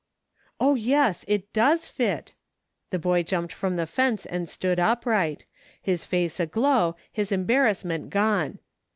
" O, yes, it does fit !" The boy jumped from the fence and stood upright ; his face aglow, his em barrassment gone.